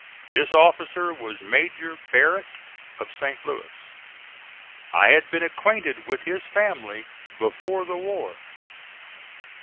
This officer was Major Barrett, of St. Louis. I had been acquainted with his family before the war.